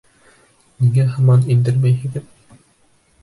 Ниңә һаман индермәйһегеҙ?